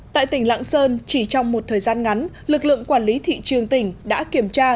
tại tỉnh lạng sơn chỉ trong một thời gian ngắn lực lượng quản lý thị trường tỉnh đã kiểm tra